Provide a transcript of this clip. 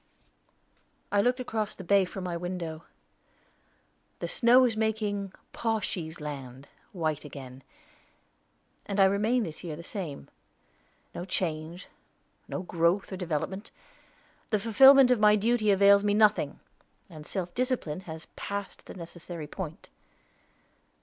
I looked across the bay from my window. "The snow is making 'Pawshee's Land' white again, and I remain this year the same. No change, no growth or development! The fulfillment of duty avails me nothing; and self discipline has passed the necessary point."